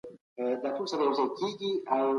تاسو به د ژوند په هر پړاو کي له عقل څخه کار اخلئ.